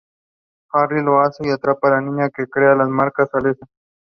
Submitted to Justice Alito and referred to the Court.